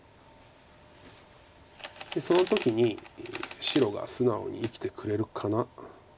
その時に白が素直に生きてくれるかな。